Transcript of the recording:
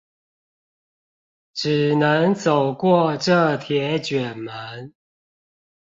只能走過這鐵捲門